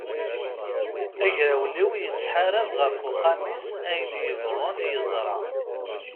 Agrawliw yettḥarab ɣef uxxam-is ayen yebɣun yeḍra!